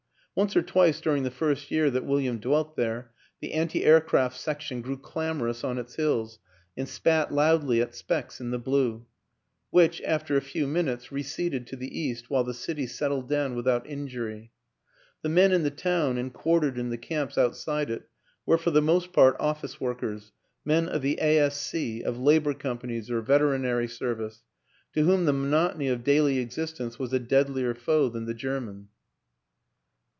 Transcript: Once or twice during the first year that William dwelt there the anti aircraft section grew clamorous on its hills and spat loudly at specks in the blue which, after a few minutes, receded to the east while the city settled down without injury. The men in the town and quartered in the camps out side it were for the most part office workers, men of the A.S.C., of Labor companies or Veterinary service ; to whom the monotony of daily existence was a deadlier foe than the German.